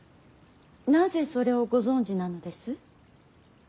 なぜそれをご存じなのです。